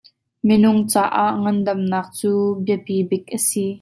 Minung caah ngandamnak cu biapi bik a si.